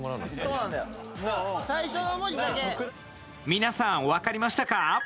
皆さん分かりましたか？